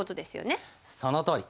そのとおり。